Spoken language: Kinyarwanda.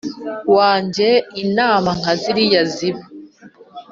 wajye inama nkaziriya ziba